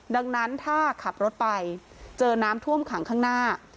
ดังนั้นถ้าขับรถไปเจอน้ำท่วมขังข้างหน้า